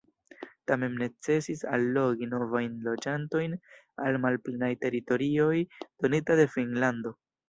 Tamen necesis allogi novajn loĝantojn al malplenaj teritorioj donita de Finnlando.